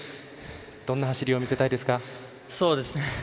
どんな走りを見せたいですか？